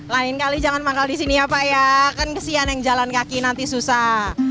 lain kali jangan manggal di sini ya pak ya kan kesian yang jalan kaki nanti susah